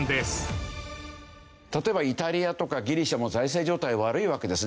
例えばイタリアとかギリシャも財政状態悪いわけですね。